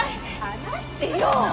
離してよ！